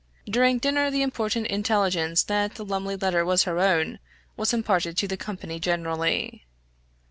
During dinner the important intelligence that the Lumley letter was her own, was imparted to the company generally.